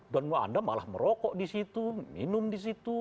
dan anda malah merokok di situ minum di situ